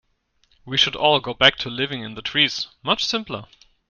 We should all go back to living in the trees, much simpler.